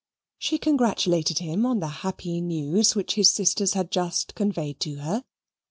She congratulated him on the happy news which his sisters had just conveyed to her.